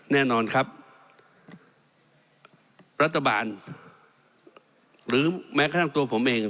แน่นอนครับรัฐบาลหรือแม้กระทั่งตัวผมเอง